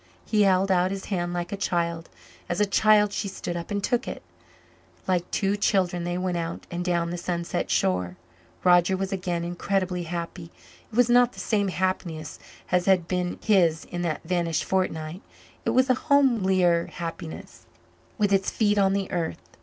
He held out his hand like a child; as a child she stood up and took it; like two children they went out and down the sunset shore. Roger was again incredibly happy. It was not the same happiness as had been his in that vanished fortnight; it was a homelier happiness with its feet on the earth.